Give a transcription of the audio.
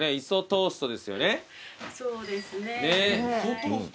そうですね。